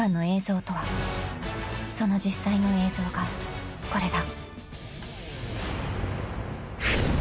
［その実際の映像がこれだ］